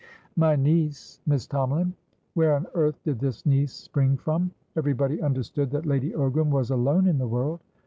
"My niece, Miss Tomalin." Where on earth did this niece spring from? Everybody understood that Lady Ogram was alone in the world.